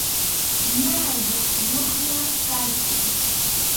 Ña lluqsimuqña kayku.